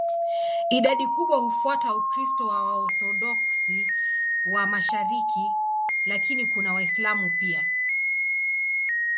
Idadi kubwa hufuata Ukristo wa Waorthodoksi wa mashariki, lakini kuna Waislamu pia.